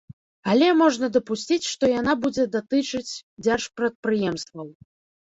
Але можна дапусціць, што яна будзе датычыць дзяржпрадпрыемстваў.